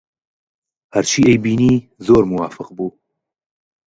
هەرچی ئەیبینی زۆر موافق بوو